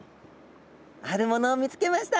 あるものを見つけました。